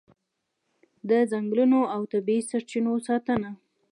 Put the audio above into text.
د ځنګلونو او طبیعي سرچینو ساتنه کیږي.